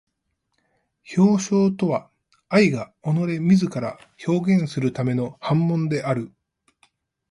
表象とは愛が己れ自ら表現するための煩悶である。